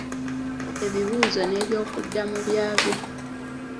Ebibuuzo n'ebyokuddamu byabyo.